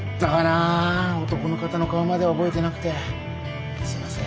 あ男の方の顔までは覚えてなくてすいません。